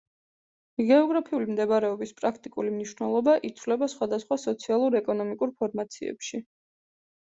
გეოგრაფიული მდებარეობის პრაქტიკული მნიშვნელობა იცვლება სხვადასხვა სოციალურ-ეკონომიკურ ფორმაციებში.